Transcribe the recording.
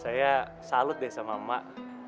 saya salut deh sama emak